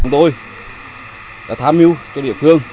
chúng tôi đã tham mưu cho địa phương